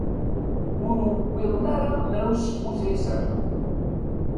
Ur uwiḍen ara mraw semmus ay sɛiɣ.